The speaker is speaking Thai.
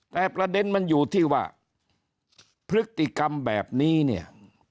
แต่ประเด็นมันอยู่ที่ว่าพฤติกรรมแบบนี้เนี่ย